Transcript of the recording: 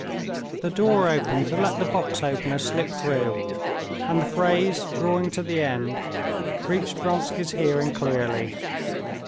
The door opened to let the box opener slip through, and the phrase drawing to the end reached Vronsky's hearing clearly.